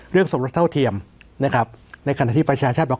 สมรสเท่าเทียมนะครับในขณะที่ประชาชาติบอก